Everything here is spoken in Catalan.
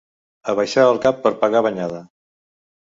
Abaixar el cap per pegar banyada.